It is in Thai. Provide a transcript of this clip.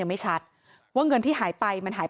และมีการเก็บเงินรายเดือนจริง